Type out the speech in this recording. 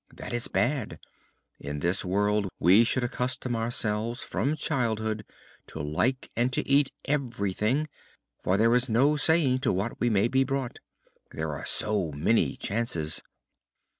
That is bad! In this world we should accustom ourselves from childhood to like and to eat everything, for there is no saying to what we may be brought. There are so many chances!"